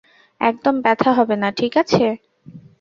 একদম ব্যাথা হবে না, ঠিক আছে?